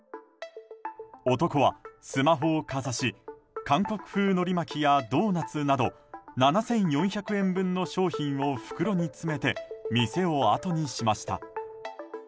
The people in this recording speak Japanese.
男はスマホをかざし韓国風のり巻きやドーナツなど７４００円分の商品を袋に詰めて店をあとにしました。